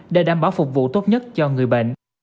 để đảm bảo phục vụ tốt nhất cho người bệnh